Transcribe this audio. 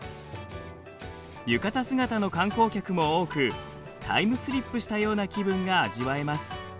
浴衣姿の観光客も多くタイムスリップしたような気分が味わえます。